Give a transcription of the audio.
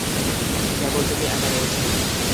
কেবল তুমি একা রয়েছো।